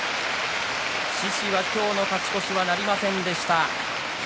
獅司、今日の勝ち越しはなりませんでした。